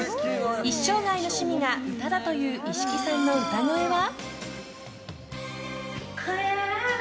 一生涯の趣味が歌だという石木さんの歌声は。